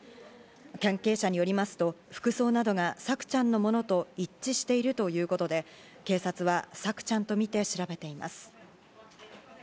関係者によりますと、服装などが朔ちゃんのものと一致しているということで、警察は朔ちゃんとみて、調べています。